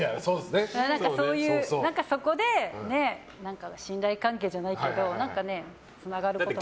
そこで信頼関係じゃないけど何か、つながることもある。